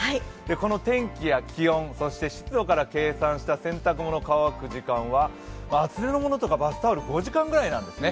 この天気や気温、そして湿度から計算した洗濯物が乾く時間は厚手のものとかバスタオルは５時間くらいなんですね。